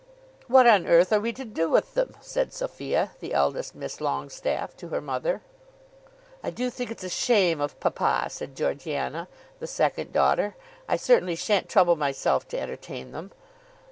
"What on earth are we to do with them?" said Sophia, the eldest Miss Longestaffe, to her mother. "I do think it's a shame of papa," said Georgiana, the second daughter. "I certainly shan't trouble myself to entertain them."